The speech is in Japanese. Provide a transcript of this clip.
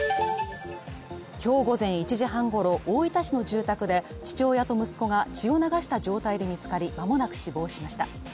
今日午前１時半ごろ大分市の住宅で父親と息子が血を流した状態で見つかり、間もなく死亡しました。